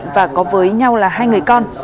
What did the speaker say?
và có với nhau là hai người con